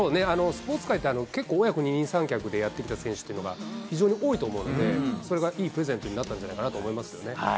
スポーツ界って、結構、親子二人三脚でやってきた選手っていうのが、非常に多いと思うので、それがいいプレゼントになったんじゃないかなと思いますね。